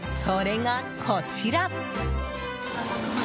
それが、こちら！